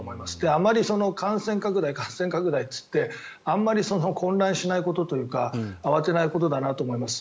あまり感染拡大、感染拡大と言ってあまり混乱しないことというか慌てないことだなと思います。